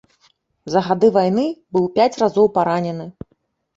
За гады вайны быў пяць разоў паранены.